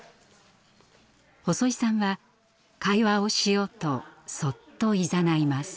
細井さんは会話をしようとそっといざないます。